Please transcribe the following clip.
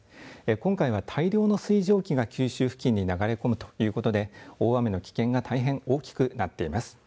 今回は大量の水蒸気が九州付近に流れ込むということで大雨の危険が大変大きくなっています。